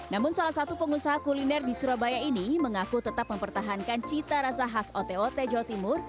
namun salah satu pengusaha kuliner di surabaya ini mengaku tetap mempertahankan cita rasa khas ote ote jawa timur